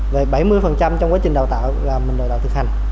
về bảy mươi trong quá trình đào tạo là mình đào tạo thực hành